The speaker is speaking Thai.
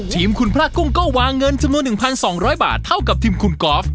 ทีมคุณพระกุ้งก็วางเงินจำนวน๑๒๐๐บาทเท่ากับทีมคุณกอล์ฟ